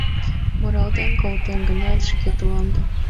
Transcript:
Муралтен колтем гынат, шкет улам да